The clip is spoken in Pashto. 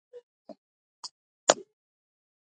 افغانستان تر هغو نه ابادیږي، ترڅو نیتونه سپیڅلي نشي.